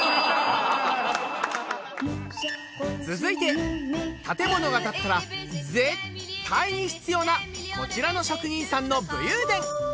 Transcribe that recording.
続いて建物が建ったら絶対に必要なこちらの職人さんの武勇伝